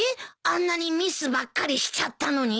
あんなにミスばっかりしちゃったのに？